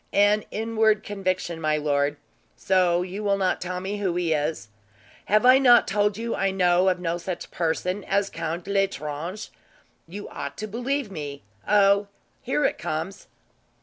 "An inward conviction, my lord. So you will not tell me who he is?" "Have I not told you I know of no such person as Count L'Estrange? You ought to believe me. Oh, here it comes."